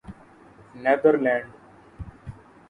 neither lands